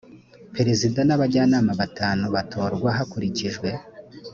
perezida n abajyanama batanu batorwa hakurikijwe